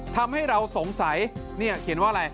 ทำให้เราสงสัยเนี่ยเขียนว่าอะไร